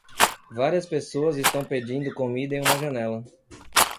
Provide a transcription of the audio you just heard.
Várias pessoas estão pedindo comida em uma janela.